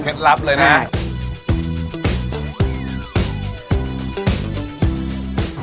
เคล็ดลับเลยนะครับ